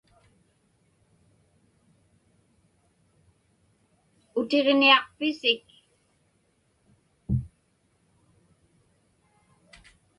Utiġniaqpisik?